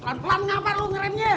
pelan pelan ngapa lu ngeremnya